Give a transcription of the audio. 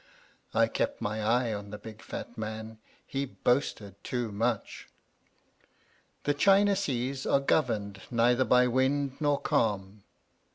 I kept my eye on the big fat man. He boasted too much. The China seas are governed neither by wind nor calm.